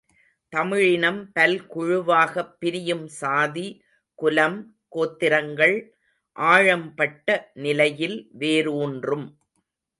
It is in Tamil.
தமிழினம் பல்குழுவாகப் பிரியும் சாதி, குலம், கோத்திரங்கள் ஆழம்பட்ட நிலையில் வேரூன்றும்.